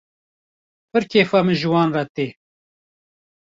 Pir kêfa min ji wan re tê.